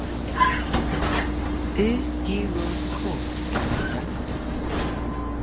Eus diwros koth gansa?